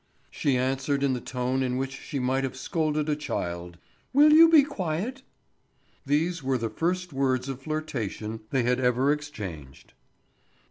She answered in the tone in which she might have scolded a child: "Will you be quiet?" These were the first words of flirtation they had ever exchanged.